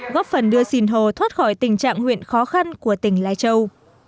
góp phần đưa sinh hồ thoát khỏi tình trạng huyện khó khăn của tỉnh lai châu